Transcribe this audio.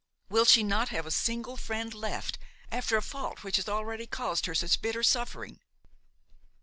Will she not have a single friend left after a fault which has already caused her such bitter suffering?"